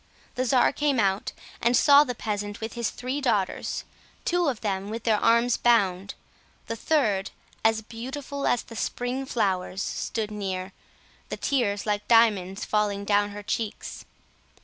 The czar came out, and saw the peasant with his three daughters, two of them with their arms bound, the third, as beautiful as the spring flowers, stood near, the tears like diamonds falling down her cheeks.